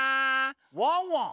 ワンワン。